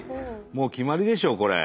もう決まりでしょこれ。